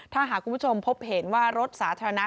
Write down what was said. ถ้าหากคุณผู้ชมพบเห็นว่ารถสาธารณะ